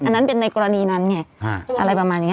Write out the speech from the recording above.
อันนั้นเป็นในกรณีนั้นไงอะไรประมาณอย่างนี้